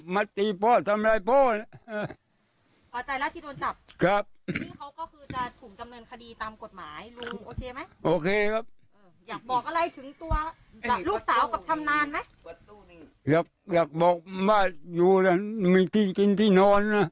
ไม่ช่วยลูกเหรอ